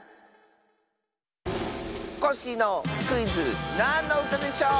コッシーのクイズ「なんのうたでしょう」！